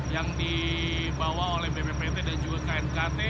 yang dibawa oleh bppt dan juga knkt